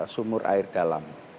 sumur air dalam